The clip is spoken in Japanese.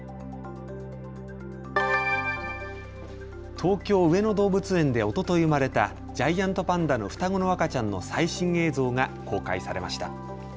東京・上野動物園でおととい生まれたジャイアントパンダの双子の赤ちゃんの最新映像が公開されました。